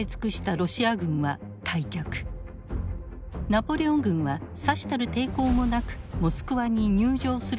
ナポレオン軍はさしたる抵抗もなくモスクワに入城することができました。